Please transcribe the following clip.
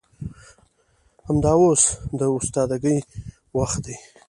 همدا اوس د استادګۍ وخت دى.